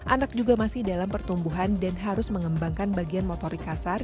anak juga masih dalam pertumbuhan dan harus mengembangkan bagian motorik kasar